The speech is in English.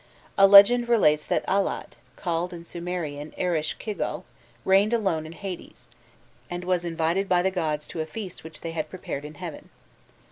A legend relates that Allat, called in Sumerian Erishkigal, reigned alone in Hades, and was invited by the gods to a feast which they had prepared in heaven.